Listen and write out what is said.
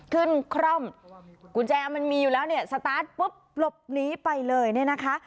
คร่อมกุญแจมันมีอยู่แล้วเนี่ยสตาร์ทปุ๊บหลบหนีไปเลยเนี่ยนะคะ